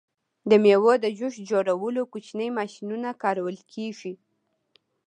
د میوو د جوس جوړولو کوچنۍ ماشینونه کارول کیږي.